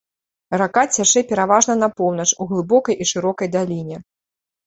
Рака цячэ пераважна на поўнач у глыбокай і шырокай даліне.